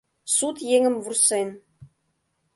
Сут еҥым вурсен